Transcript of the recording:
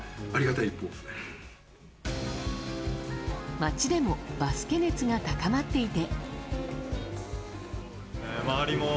街でもバスケ熱が高まっていて。